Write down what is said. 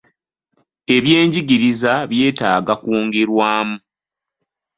Ebyenjigiriza byetaaga kwongerwamu.